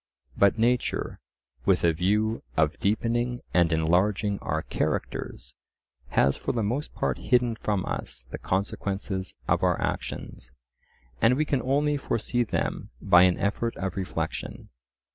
But nature, with a view of deepening and enlarging our characters, has for the most part hidden from us the consequences of our actions, and we can only foresee them by an effort of reflection.